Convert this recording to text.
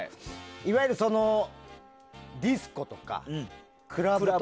いわゆるディスコとかクラブ。